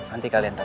nanti kalian tau